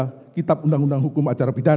dimana jaksa penuntut umum dalam melakukan pembuktian